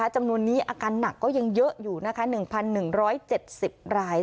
จำนวนนี้อาการหนักก็ยังเยอะอยู่นะคะหนึ่งพันหนึ่งร้อยเจ็ดสิบราย